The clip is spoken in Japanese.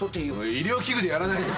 医療器具でやらないで。